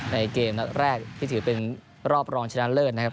เกมนัดแรกที่ถือเป็นรอบรองชนะเลิศนะครับ